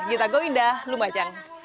kita go indah lu macang